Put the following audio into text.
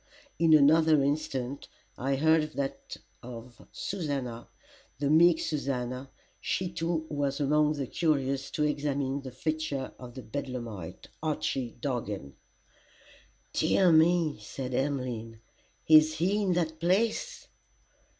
In another instant, I heard that of Susannah the meek Susannah, she too was among the curious to examine the features of the bedlamite, Archy Dargan. "Dear me," said Emmeline, "is he in that place?"